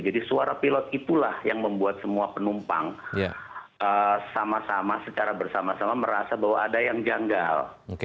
jadi suara pilot itulah yang membuat semua penumpang sama sama secara bersama sama merasa bahwa ada yang janggal